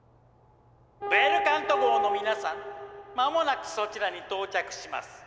「ベルカント号の皆さん間もなくそちらに到着します」。